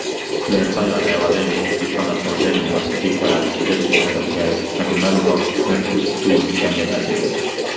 Veel sajad jäävad ellu, kuid kannatavad erinevate pikaajaliste tervisehädade käes nagu mälukaotus, nõrkus, tuimus jne.